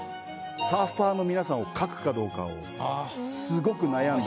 サーファーの皆さんを描くかどうかをすごく悩んだんです。